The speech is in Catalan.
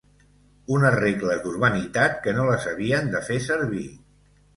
Unes regles d'urbanitat que no les havien de fer servir